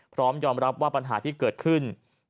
พร้อมยอมรับว่าปัญหาที่เกิดขึ้น